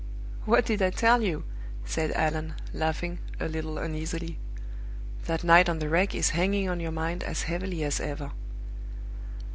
"What did I tell you?" said Allan, laughing, a little uneasily. "That night on the Wreck is hanging on your mind as heavily as ever."